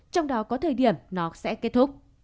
trong đó có thời điểm nó sẽ kết thúc